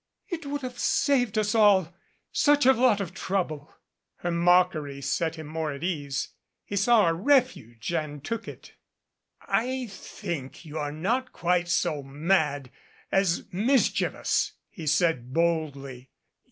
It would have saved us all such a lot of trouble." A LZDY IN THE DUSK Her mockery set him more at ease. He saw a refuge and took it. "I think you're not quite so mad as mischievous," he said boldly.